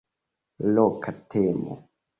Loka temo.